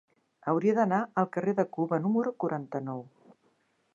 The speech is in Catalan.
Hauria d'anar al carrer de Cuba número quaranta-nou.